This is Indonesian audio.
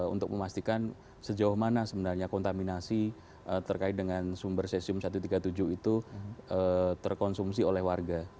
untuk memastikan sejauh mana sebenarnya kontaminasi terkait dengan sumber cesium satu ratus tiga puluh tujuh itu terkonsumsi oleh warga